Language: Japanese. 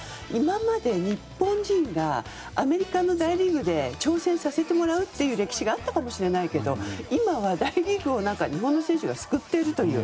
今まで日本人がアメリカの大リーグで挑戦させてもらうという歴史があったかもしれないけど今は大リーグを日本選手が救っている。